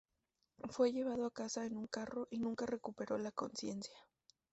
Fue llevado a casa en un carro y nunca recuperó la conciencia.